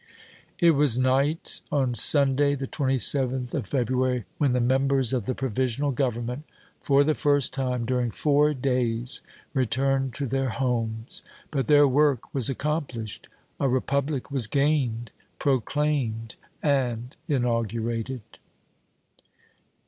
It was night, on Sunday, the 27th of February, when the members of the Provisional Government, for the first time during four days, returned to their homes. But their work was accomplished. A Republic was gained, proclaimed and inaugurated!